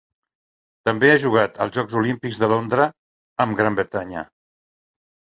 També ha jugat els Jocs Olímpics de Londres amb Gran Bretanya.